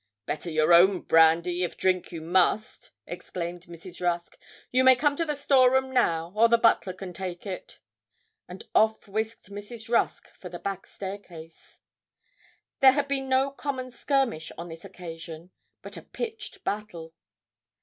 'Better your own brandy, if drink you must!' exclaimed Mrs. Rusk. 'You may come to the store room now, or the butler can take it.' And off whisked Mrs. Rusk for the back staircase. There had been no common skirmish on this occasion, but a pitched battle.